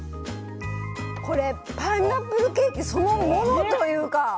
これパイナップルケーキそのものというか。